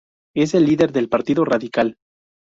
Es el líder del Partido Radical.